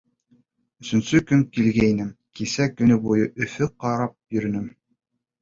Өсөнсө көн килгәйнем, кисә көнө буйы Өфөнө ҡарап йөрөнөм.